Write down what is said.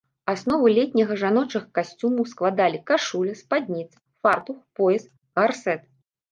Аснову летняга жаночага касцюма складалі кашуля, спадніца, фартух, пояс, гарсэт.